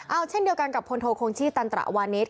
เอาเช่นเดียวกันกับพลโทคงชีพตันตระวานิส